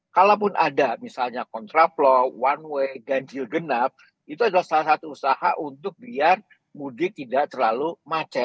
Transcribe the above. kalaupun ada misalnya kontraplow one way ganjil genap itu adalah salah satu usaha untuk biar mudik tidak terlalu macet